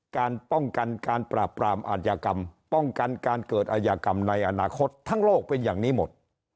การป้องกันการปราบปรามอาชญากรรมป้องกันการเกิดอายากรรมในอนาคตทั้งโลกเป็นอย่างนี้หมด